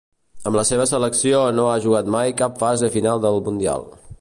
Amb la seva selecció no ha jugat mai cap fase final del Mundial.